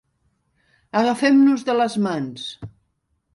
Agafem-nos de les mans!